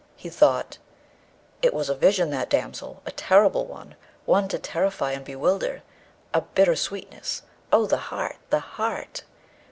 He thought, 'It was a vision, that damsel! a terrible one; one to terrify and bewilder! a bitter sweetness! Oh, the heart, the heart!'